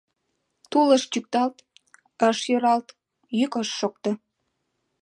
Тул ыш чӱкталт, ыш йӧралт, йӱк ыш шокто.